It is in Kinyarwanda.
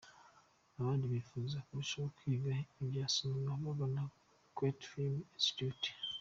Abandi bifuza kurushaho kwiga ibya sinema bagana Kwetu Film Institute.